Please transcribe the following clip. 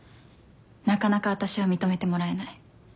なかなか私は認めてもらえない。